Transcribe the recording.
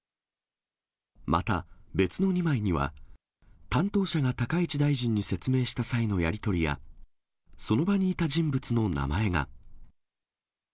また、別の２枚には、担当者が高市大臣に説明した際のやり取りや、その場にいた人物の名前が。